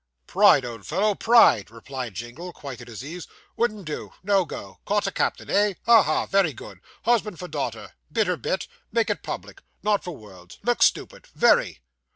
'Pride, old fellow, pride,' replied Jingle, quite at his ease. 'Wouldn't do no go caught a captain, eh? ha! ha! very good husband for daughter biter bit make it public not for worlds look stupid very!